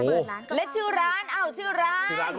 โอ้โห